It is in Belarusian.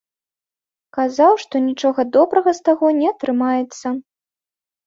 Казаў, што нічога добрага з таго не атрымаецца.